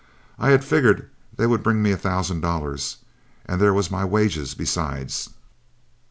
I had figured they would bring me a thousand dollars, and there was my wages besides.